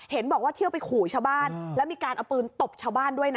เห็นบอกว่าเที่ยวไปขู่ชาวบ้านแล้วมีการเอาปืนตบชาวบ้านด้วยนะ